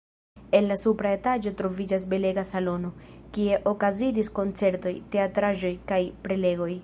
En la supra etaĝo troviĝas belega salono, kie okazadis koncertoj, teatraĵoj kaj prelegoj.